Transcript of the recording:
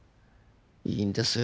いいんですよ